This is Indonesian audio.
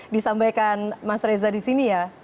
disampaikan mas reza di sini ya